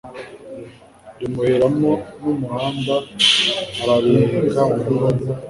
Rimuheramo n' umuhunda :Arariheka mu mugongo.